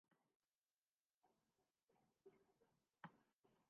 ملک میں سونے کی قیمت میں کمی کا سلسلہ جاری